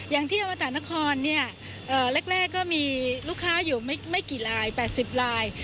อย่างที่อวตานครเนี่ยแรกก็มีลูกค้าอยู่ไม่กี่ลาย๘๐ลาย